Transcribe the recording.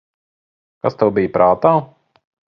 Kas tev bija prātā?